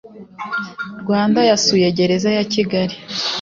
rwanda yasuye gereza ya kigali